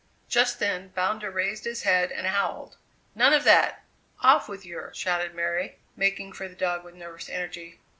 Just then Bounder raised his head and howled. "None of that! Off with yer!" shouted Mary, making for the dog with nervous energy.